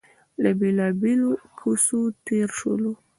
له بېلابېلو کوڅو تېر شولو.